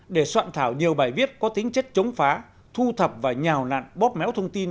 để soạn thảo nhiều bài viết có tính chất chống phá thu thập và nhào nạn bóp méo thông tin